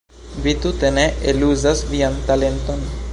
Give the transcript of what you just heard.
Vi tute ne eluzas vian talenton.